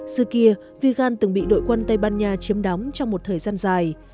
dư kia vigan từng bị đội quân tây ban nha chiếm đóng trong một thời gian dài